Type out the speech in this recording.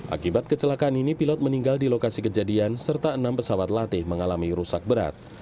akibat kecelakaan ini pilot meninggal di lokasi kejadian serta enam pesawat latih mengalami rusak berat